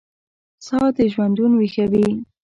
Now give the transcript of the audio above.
ساه دژوندون ویښوي